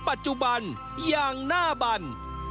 ปัจจุบันอย่างหน้าบัน